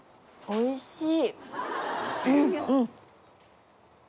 おいしい！